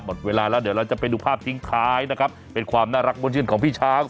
หมดเวลาแล้วเดี๋ยวเราจะไปดูภาพทิ้งท้ายนะครับเป็นความน่ารักบนชื่นของพี่ช้าง